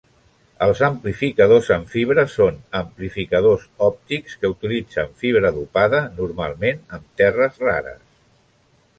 Els amplificadors en fibra són amplificadors òptics que utilitzen fibra dopada, normalment amb terres rares.